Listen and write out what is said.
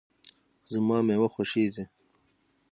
زما مېوه خوښیږي